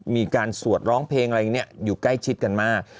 มีการสัวร์ทร้องเพลงอะไรอยู่ใกล้ชิดกันมาก